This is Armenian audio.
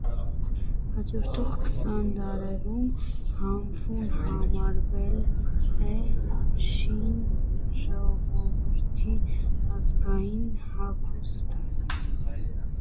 Հաջորդող քսան դարերում հանֆուն համարվել է չին ժողովրդի ազգային հագուստը։